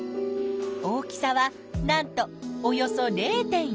大きさはなんとおよそ０．１ｍｍだよ！